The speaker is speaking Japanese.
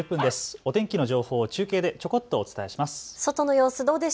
お天気の情報を中継でちょこっとお伝えします。